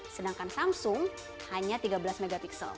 sedangkan samsung hanya tiga belas mp